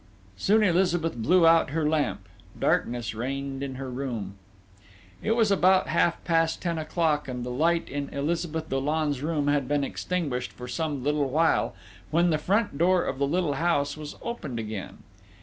Soon Elizabeth blew out her lamp darkness reigned in her room. It was about half past ten o'clock, and the light in Elizabeth Dollon's room had been extinguished for some little while, when the front door of the little house was opened again....